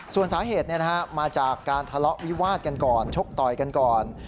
ส่วนสาเหตุมาจากการทะเลาะวิวาดกันก่อนชกต่อยกันก่อน